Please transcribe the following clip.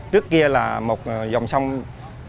trước kia là một dòng sông khánh